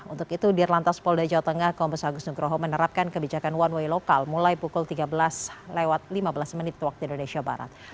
untuk itu di lantas polda jawa tengah kombes agus nugroho menerapkan kebijakan one way lokal mulai pukul tiga belas lewat lima belas menit waktu indonesia barat